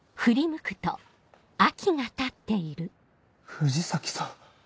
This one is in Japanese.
藤崎さん。